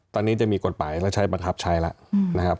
ตอนนี้จะมีกฎหมายและใช้บังคับใช้แล้ว